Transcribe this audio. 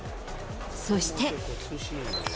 そして。